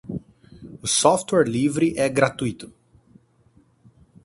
O software livre é gratuito.